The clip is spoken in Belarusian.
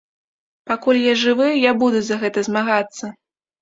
І пакуль я жывы, я буду за гэта змагацца.